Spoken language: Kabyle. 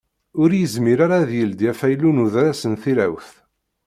Ur yezmir ara ad d-yeldi afaylu n udras n tirawt.